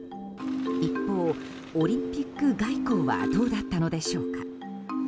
一方、オリンピック外交はどうだったのでしょうか。